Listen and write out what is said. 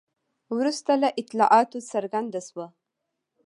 وروسته له اطلاعاتو څرګنده شوه.